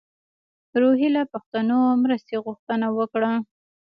روهیله پښتنو مرستې غوښتنه وکړه.